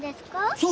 そう。